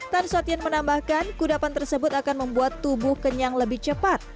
tan sotin menambahkan kudapan tersebut akan membuat tubuh kenyang lebih cepat